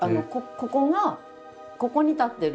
ここがここに立ってる。